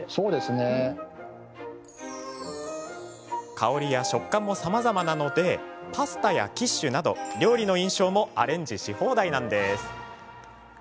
香りや食感もさまざまなのでパスタやキッシュなど料理の印象もアレンジし放題なんです。